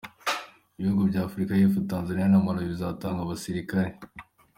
Ibihugu by’Afrika y’Epfo, Tanzaniya na Malawi bizatanga abasirikare.